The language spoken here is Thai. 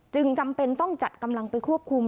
จำเป็นต้องจัดกำลังไปควบคุม